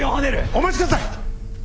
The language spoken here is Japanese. お待ちください！